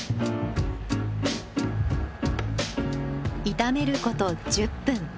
炒めること１０分。